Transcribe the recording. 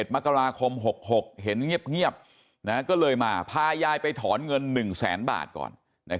มกราคม๖๖เห็นเงียบก็เลยมาพายายไปถอนเงิน๑แสนบาทก่อน